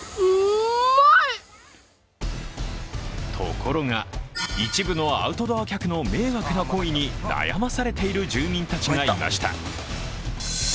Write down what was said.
ところが、一部のアウトドア客の迷惑な行為に悩まされている住民たちがいました。